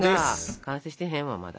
完成してへんわまだ。